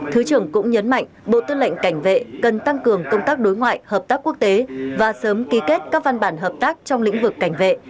thứ trưởng cũng nhấn mạnh bộ tư lệnh cảnh vệ cần tăng cường công tác đối ngoại hợp tác quốc tế và sớm ký kết các văn bản hợp tác trong lĩnh vực cảnh vệ